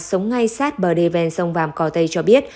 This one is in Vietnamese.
sống ngay sát bờ đề ven sông vàm cò tây cho biết